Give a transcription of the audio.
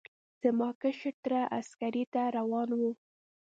زما کشر تره عسکرۍ ته روان و.